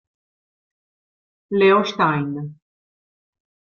Leo Stein